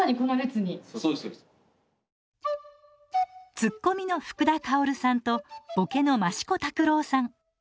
ツッコミの福田薫さんとボケの益子卓郎さん。